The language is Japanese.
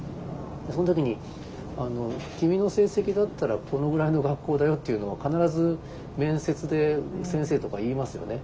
その時に「君の成績だったらこのぐらいの学校だよ」っていうのは必ず面接で先生とか言いますよね。